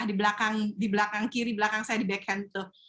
di belakang kiri belakang saya di backhand itu